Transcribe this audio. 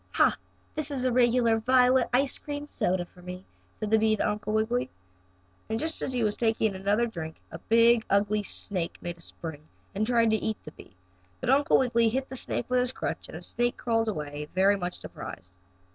"Ha! That is a regular violet ice cream soda for me!" said the bee to Uncle Wiggily. And just as he was taking another drink a big, ugly snake made a spring and tried to eat the bee, but Uncle Wiggily hit the snake with his crutch and the snake crawled away very much surprised.